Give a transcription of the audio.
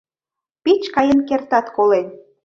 Пич каен кертат колен.